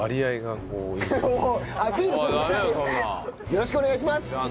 よろしくお願いします！